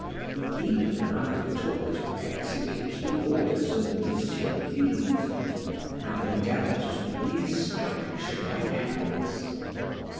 He even undertook to execute the orders of M. Fizes, and endeavored to re establish my health.